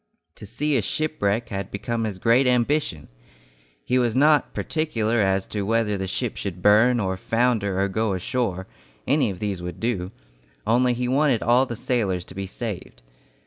To see a shipwreck had become his great ambition. He was not particular as to whether the ship should burn or founder or go ashore, any of these would do, only he wanted all the sailors to be saved.